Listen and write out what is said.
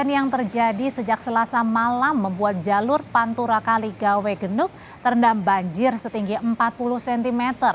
yang terjadi sejak selasa malam membuat jalur pantura kaligawe genuk terendam banjir setinggi empat puluh cm